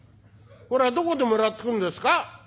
それはどこでもらってくんですか？」。